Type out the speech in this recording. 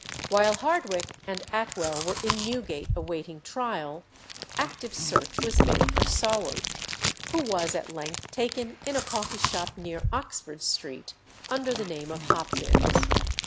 While Hardwicke and Atwell were in Newgate awaiting trial, active search was made for Saward, who was at length taken in a coffee shop near Oxford Street, under the name of Hopkins.